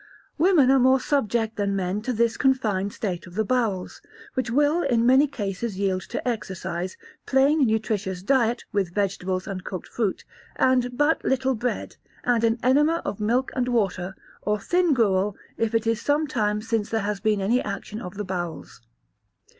Women are more subject than men to this confined state of the bowels, which will, in many cases yield to exercise, plain nutritious diet, with vegetables and cooked fruit, and but little bread, and an enema of milk and water, or thin gruel if it is some time since there has been any action of the bowels.